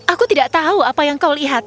aku tidak tahu apa yang kau lihat